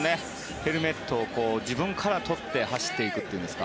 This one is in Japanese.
ヘルメットを自分から取って走っていくんですか。